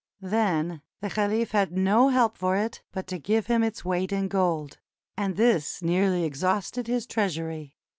Then the caliph had no help for it but to give him its weight in gold, and this nearly exhausted his treasury.